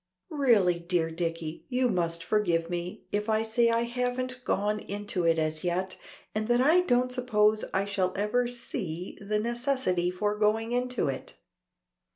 "Really, dear Dicky, you must forgive me if I say I haven't gone into it as yet, and that I don't suppose I shall ever see the necessity for going into it."